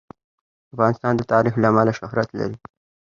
افغانستان د تاریخ له امله شهرت لري.